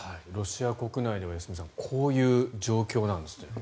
ロシア国内では良純さんこういう状況なんですね。